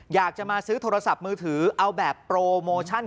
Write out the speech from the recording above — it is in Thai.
อยากจะมาซื้อโทรศัพท์มือถือเอาแบบโปรโมชั่น